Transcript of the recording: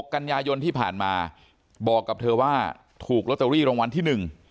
กันยายนที่ผ่านมาบอกกับเธอว่าถูกลอตเตอรี่รางวัลที่๑